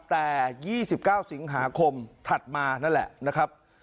แต่๒๙สิงหาคมถัดมานั่นแหละนะครับ